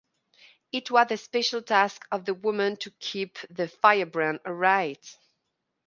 It was the special task of the women to keep the firebrand alight.